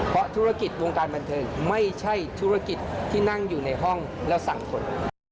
เพราะธุรกิจวงการบันเทิงไม่ใช่ธุรกิจที่นั่งอยู่ในห้องแล้วสั่งคน